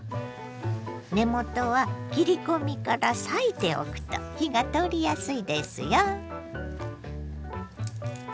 根元は切り込みから裂いておくと火が通りやすいですよ。